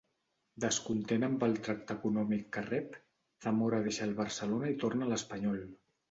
Descontent amb el tracte econòmic que rep, Zamora deixa el Barcelona i torna a l'Espanyol.